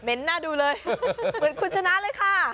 หน้าดูเลยเหมือนคุณชนะเลยค่ะ